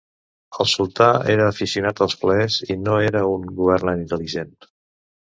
El sultà era aficionat als plaers i no era un governant intel·ligent.